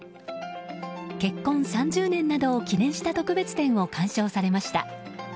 結婚３０年などを記念した特別展を鑑賞されました。